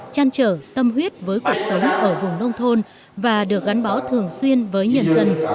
trăn trở tâm huyết với cuộc sống ở vùng nông thôn và được gắn bó thường xuyên với nhân dân